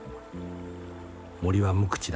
『森は無口だ。